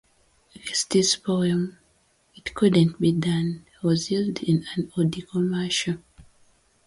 Guest's poem "It Couldn't Be Done" was used in an Audi commercial.